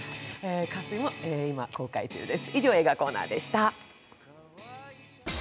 「渇水」も今、公開中です。